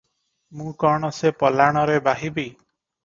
ମୁଁ କଣ ସେ ପଲାଣରେ ବାହିବି?